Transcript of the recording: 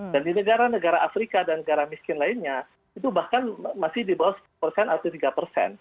dan di negara negara afrika dan negara miskin lainnya itu bahkan masih di bawah satu persen atau tiga persen